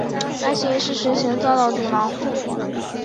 该协定的实行遭到阻挠。